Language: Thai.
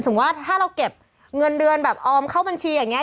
ว่าถ้าเราเก็บเงินเดือนแบบออมเข้าบัญชีอย่างนี้